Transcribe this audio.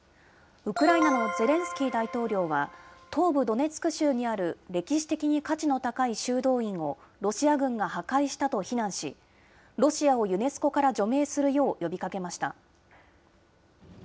ウクライナのゼレンスキー大統領は、東部ドネツク州にある歴史的に価値の高い修道院を、ロシア軍が破壊したと非難し、ロシアをユネスコから除名するよう呼びかけました。